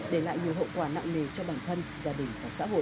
để lại nhiều hậu quả nặng nề cho bản thân gia đình và xã hội